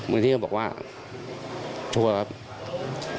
เก็บเมื่อมือลงมาก็เลยโทรแจ้งเค้าอ่ะ